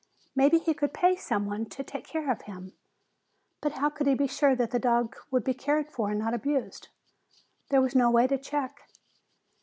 Maybe he could pay someone to take care of him. But how could he be sure that the dog would be cared for and not abused? There was no way to check.